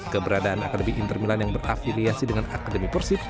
keberadaan akademi inter milan yang berafiliasi dengan akademi persib